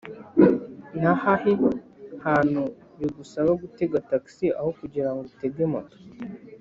Nahahe hantu bigusaba gutega taxi aho kugirango utege moto